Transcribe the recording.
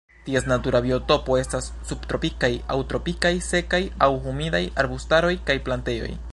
Ties natura biotopo estas subtropikaj aŭ tropikaj sekaj aŭ humidaj arbustaroj kaj plantejoj.